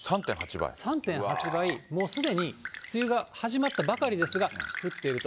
３．８倍、もうすでに梅雨が始まったばかりですが、降っていると。